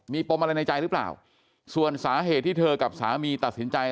มีปมอะไรในใจหรือเปล่าส่วนสาเหตุที่เธอกับสามีตัดสินใจ